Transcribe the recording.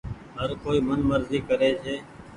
هر ڪوئي من مزي ڪري ڇي۔